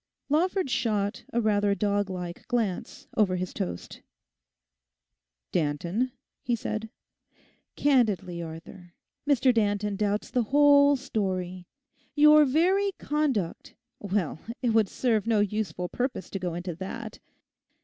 Lawford shot a rather doglike glance over his toast. 'Danton?' he said. 'Candidly, Arthur, Mr Danton doubts the whole story. Your very conduct—well, it would serve no useful purpose to go into that.